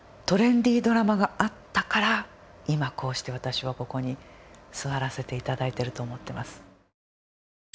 トレンディドラマがあったから今こうして私はここに座らせて頂いてると思ってます。